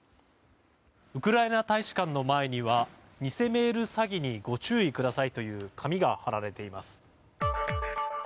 ウクライナ大使館の前には偽メール詐欺にご注意くださいという紙が貼られています。